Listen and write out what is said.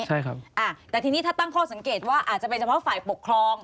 ใช่ครับอ่าแต่ทีนี้ถ้าตั้งข้อสังเกตว่าอาจจะเป็นเฉพาะฝ่ายปกครอง